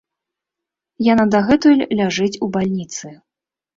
Яна дагэтуль ляжыць у бальніцы.